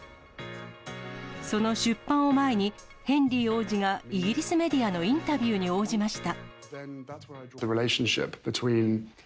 その出版を前に、ヘンリー王子がイギリスメディアのインタビューに応じました。